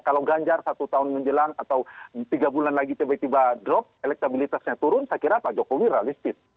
kalau ganjar satu tahun menjelang atau tiga bulan lagi tiba tiba drop elektabilitasnya turun saya kira pak jokowi realistis